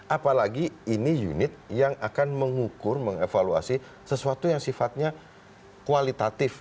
apalagi ini unit yang akan mengukur mengevaluasi sesuatu yang sifatnya kualitatif